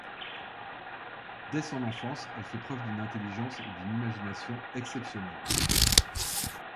Dès son enfance, elle fait preuve d'une intelligence et d'une imagination exceptionnelles.